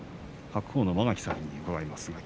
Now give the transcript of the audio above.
白鵬の間垣さんにも伺います。